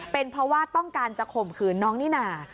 เป็นเพราะว่าต้องการจะข่มขืนน้องนิน่า